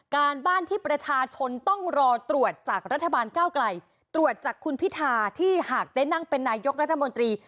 การบ้านที่ประชาชนต้องรอตรวจจากรัฐบาลก้าวไกลตรวจจากคุณพิธาที่หากได้นั่งเป็นนายกรัฐมนตรี